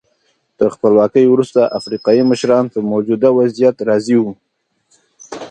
تر خپلواکۍ وروسته افریقایي مشران په موجوده وضعیت راضي وو.